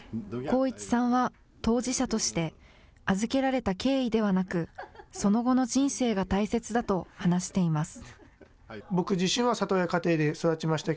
航一さんは当事者として、預けられた経緯ではなく、その後の人生が大切だと話しています。